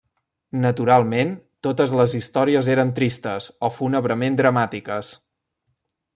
Naturalment, totes les històries eren tristes, o fúnebrement dramàtiques.